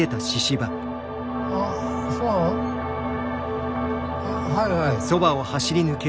はいはい。